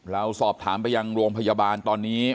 เราสอบถามไปยังโรงพยาบาลตอนนี้